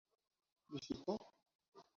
¿visito?